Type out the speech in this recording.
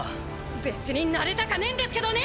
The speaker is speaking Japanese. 別に慣れたかぁねぇんですけどね！